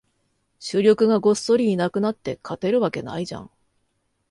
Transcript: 主力がごっそりいなくなって、勝てるわけないじゃん